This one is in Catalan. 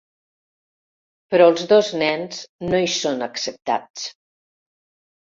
Però els dos nens no hi són acceptats.